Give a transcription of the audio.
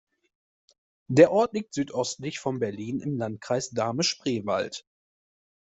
Der Ort liegt südöstlich von Berlin im Landkreis Dahme-Spreewald.